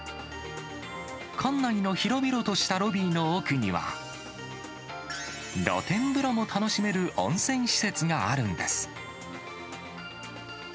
館内の広々としたロビーの奥には、露天風呂も楽しめる温泉施設があるんです。